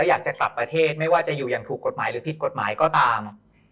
อยากจะกลับประเทศไม่ว่าจะอยู่ขับถูกหรือผิดกฎหมายก็ตาม